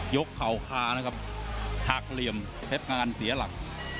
เข่าคานะครับหักเหลี่ยมเพชรงานเสียหลัก